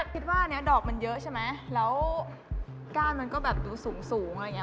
คิดว่าอันนี้ดอกมันเยอะใช่ไหมแล้วก้านมันก็แบบดูสูงอะไรอย่างนี้